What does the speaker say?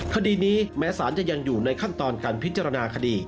คดีนี้แม้สารจะยังอยู่ในขั้นตอนการพิจารณาคดี